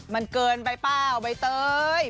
มันเกินไปเปล่าใบเตย